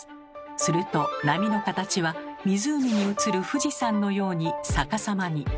すると波の形は湖に映る富士山のように逆さまに。